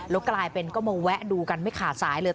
แล้วกลายเป็นก็มาแวะดูกันไม่ขาดสายเลย